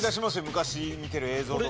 昔見てる映像とか。